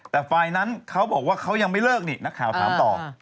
แต่ฝ่ายนั้นเขาบอกว่าเขายังไม่เลิกนี่นักข่าวถามต่อ